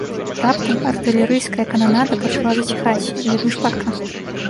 Раптам артылерыйская кананада пачала заціхаць, і вельмі шпарка.